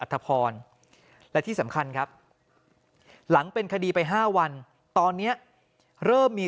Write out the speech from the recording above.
ทพรและที่สำคัญครับหลังเป็นคดีไป๕วันตอนนี้เริ่มมี